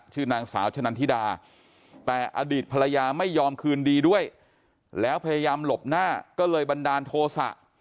ชื่อนางสาวชะนันทิดาแต่อดีตภรรยาไม่ยอมคืนดีด้วยแล้วพยายามหลบหน้าก็เลยบันดาลโทษะ